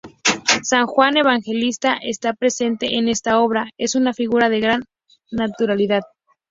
San Juan Evangelista está presente en esta obra, es una figura de gran naturalidad.